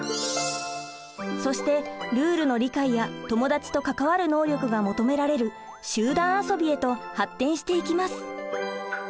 そしてルールの理解や友達と関わる能力が求められる「集団遊び」へと発展していきます。